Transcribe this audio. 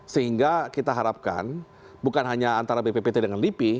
sehingga kita harapkan bukan hanya antara bppt dengan lipi